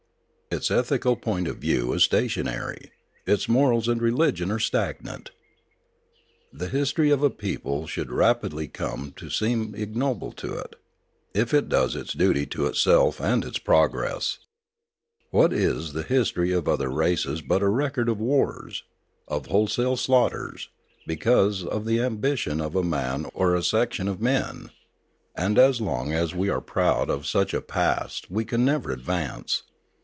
Its ethical point of view is stationary, its morals and religion are stagnant. The history of a people should rapidly come to seem ignoble to it, if it does its duty to itself and its progress. What is the history of other races but a record of wars, of wholesale slaughters, because of the ambition of a man or a sec tion of men ? And as long as we are proud of such a past we can never advance.